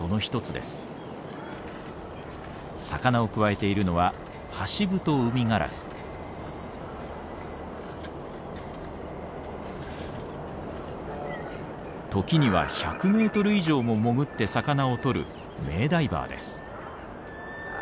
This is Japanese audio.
魚をくわえているのは時には１００メートル以上も潜って魚をとる名ダイバーです。